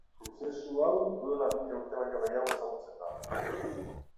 Prozesu hau duela mila urte baino gehiago ezagutzen da.